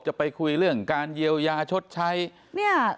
จะไปคุยเรื่องการเยียวยาชดใช้เนี่ย